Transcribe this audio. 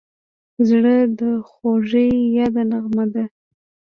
زړه د خوږې یاد نغمه ده.